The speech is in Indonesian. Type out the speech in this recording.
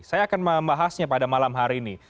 saya akan membahasnya pada malam hari ini